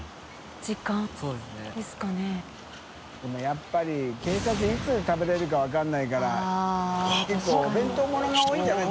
やっぱり警察いつ食べれるか分からないから觜お弁当ものが多いんじゃない？